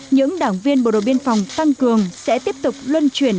những đảng viên bộ đội biên phòng tăng cường sẽ tiếp tục luân chuyển